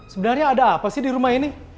sebenarnya ada apa sih di rumah ini